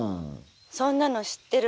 「そんなの知ってる。